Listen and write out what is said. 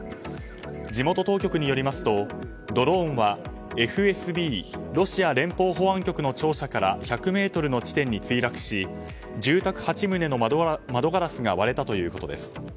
地元当局によりますとドローンはＦＳＢ・ロシア連邦保安局の庁舎から１００ｍの地点に墜落し住宅８棟の窓ガラスが割れたということです。